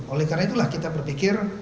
oleh karena itulah kita berpikir